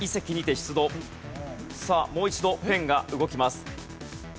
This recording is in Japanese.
さあもう一度ペンが動きます。